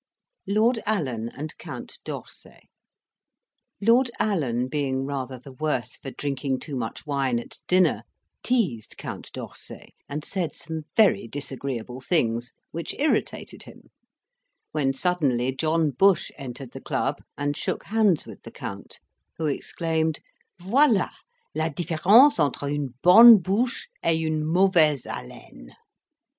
LORD ALLEN AND COUNT D'ORSAY Lord Allen being rather the worse for drinking too much wine at dinner, teased Count D'Orsay, and said some very disagreeable things, which irritated him; when suddenly John Bush entered the club and shook hands with the Count, who exclaimed, "Voila, la difference entre une bonne bouche et une mauvaise haleine."